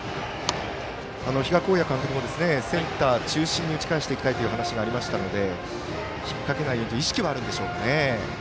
比嘉公也監督もセンター中心に打ち返していきたいという話がありましたので引っ掛けないという意識はあるんでしょうかね。